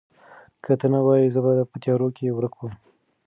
که ته نه وای، زه به په تیارو کې ورک وم.